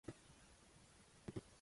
致力於提升女性劳动参与率